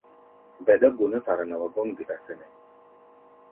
Bɛɗɛ́-go nɛ́ fara nɛ wa gɔ́m geɗa sɛnɛ́.